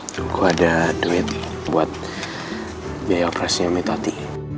tunggu ada duit buat biaya operasinya metati